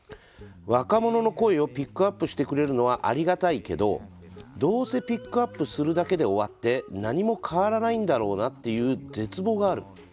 「若者の声をピックアップしてくれるのはありがたいけどどうせピックアップするだけで終わって何も変わらないんだろうなっていう絶望がある。